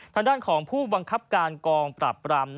ทางด้านของผู้บังคับการกองปราบปราม